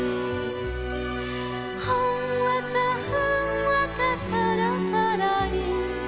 「ほんわかふんわかそろそろり」